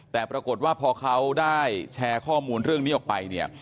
แต่ปรากฏว่าพอเขาได้แชร์ข้อมูลเรื่องนี้ออกไปเนี่ย